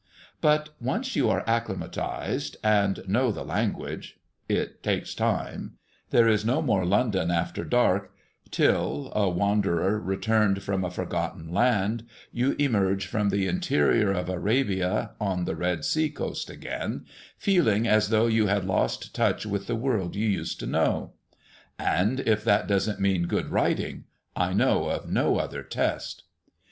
But once you are acclimatized, and know the language it takes time there is no more London after dark, till, a wanderer returned from a forgotten land, you emerge from the interior of Arabia on the Red Sea coast again, feeling as though you had lost touch with the world you used to know. And if that doesn't mean good writing I know of no other test.